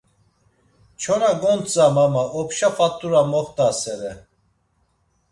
Çona gontzam ama opşa fat̆ura moxt̆asere.